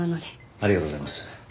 ありがとうございます。